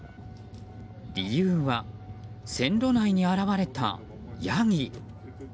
理由は線路内に現れたヤギ。